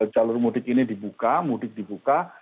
jalur mudik ini dibuka mudik dibuka